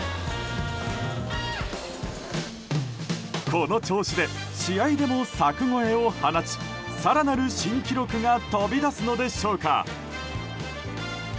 この調子で試合でも柵越えを放ち更なる新記録が飛び出すのでしょうか。